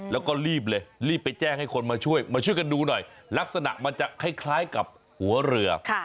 แล้วก็รีบเลยรีบไปแจ้งให้คนมาช่วยมาช่วยกันดูหน่อยลักษณะมันจะคล้ายกับหัวเรือ